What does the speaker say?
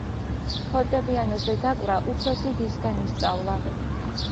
ფორტეპიანოზე დაკვრა უფროსი დისგან ისწავლა.